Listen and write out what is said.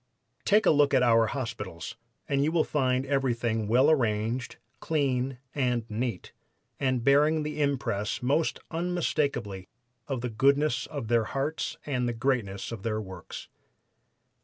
Take a look at our city hospitals, and you will find everything well arranged, clean and neat, and bearing the impress most unmistakably of the goodness of their hearts and the greatness of their works.